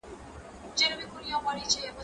که وخت وي، پلان جوړوم،